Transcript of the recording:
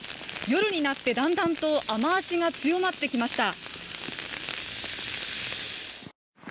夜になってだんだんと雨足が強まってきました。